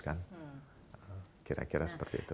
kira kira seperti itu